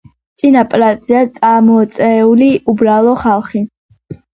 წინა პლანზეა წამოწეული უბრალო ხალხი.